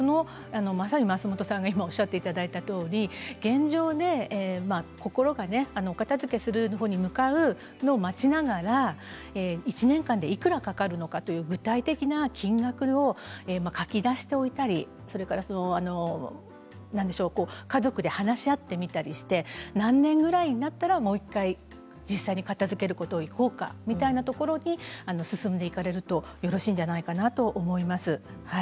松本さんがまさにおっしゃっていただいたとおり現状、心がお片づけする方に向かうのを待ちながら１年間でいくらかかるのかという具体的な金額を書き出しておいたり家族で話し合ってみたりして何年ぐらいになったらもう１回実際に片づける方にいこうかというところに進んでいかれるとよろしいんじゃないかなと思います。